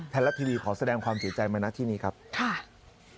แทนละทีวีขอแสดงความสินใจมานักที่นี่ครับค่ะค่ะ